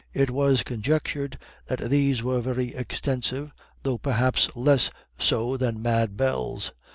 It was conjectured that these were very extensive, though perhaps less so than Mad Bell's.